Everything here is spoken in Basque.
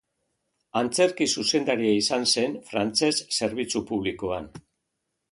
Antzerki-zuzendaria izan zen frantses zerbitzu publikoan.